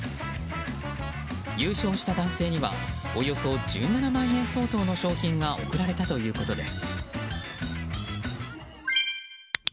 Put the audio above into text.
優勝した男性にはおよそ１７万円相当の商品が贈られたということです。